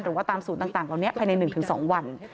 หรือว่าตามศูนย์ต่างเหล่านี้ภายใน๑๒วัน